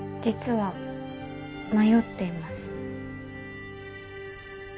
実は迷っています。